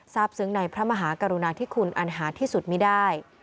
ซึ้งในพระมหากรุณาธิคุณอันหาที่สุดไม่ได้